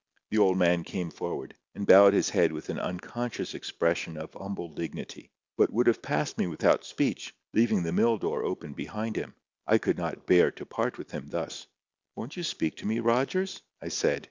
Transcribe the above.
The old man came forward, and bowed his head with an unconscious expression of humble dignity, but would have passed me without speech, leaving the mill door open behind him. I could not bear to part with him thus. "Won't you speak to me, Rogers?" I said.